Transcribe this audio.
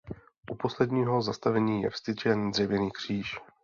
U posledního zastavení je vztyčen dřevěný kříž.